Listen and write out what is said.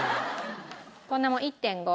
こんなもん１．５。